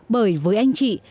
bởi với anh chị